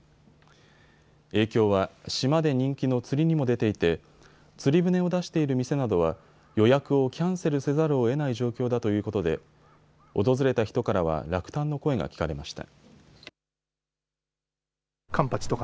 影響は島で人気の釣りにも出ていて釣り船を出している店などは予約をキャンセルせざるをえない状況だということで訪れた人からは落胆の声が聞かれました。